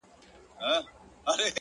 صبر د وخت له ازموینې ځواک جوړوي!